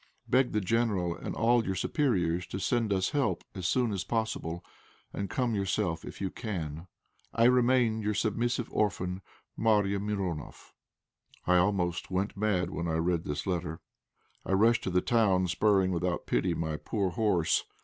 Beg the General and all your superiors to send us help as soon as possible, and come yourself if you can. "I remain, your submissive orphan, "MARYA MIRONOFF." I almost went mad when I read this letter. I rushed to the town, spurring without pity my poor horse.